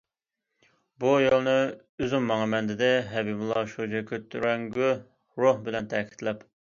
بۇ يولنى ئۆزۈم ماڭىمەن، دېدى ھەبىبۇللا شۇجى كۆتۈرەڭگۈ روھ بىلەن تەكىتلەپ.